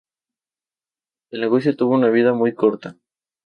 El negocio tuvo una vida muy corta.